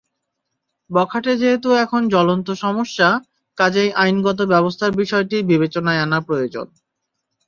বখাটে যেহেতু এখন জ্বলন্ত সমস্যা, কাজেই আইনগত ব্যবস্থার বিষয়টি বিবেচনায় আনা প্রয়োজন।